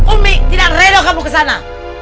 umi tidak redo kamu kesana